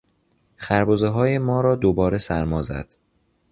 خربزههای ما را دوباره سرما زد.